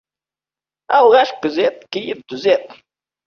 Алғаш күзет, кейін түзет.